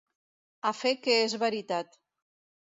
A fe que és veritat!